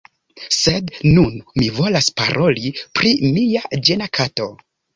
Sed nun, mi volas paroli pri mia ĝena kato.